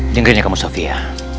dengernya kamu sofia